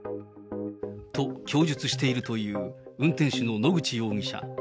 と、供述しているという運転手の野口容疑者。